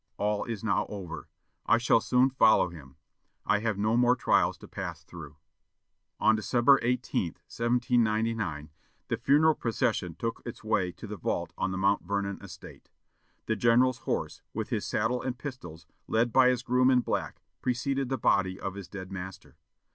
All is now over. I shall soon follow him. I have no more trials to pass through." On December 18, 1799, the funeral procession took its way to the vault on the Mount Vernon estate. The general's horse, with his saddle and pistols, led by his groom in black, preceded the body of his dead master.